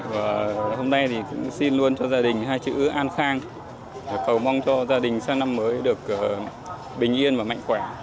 và hôm nay thì cũng xin luôn cho gia đình hai chữ an khang và cầu mong cho gia đình sang năm mới được bình yên và mạnh khỏe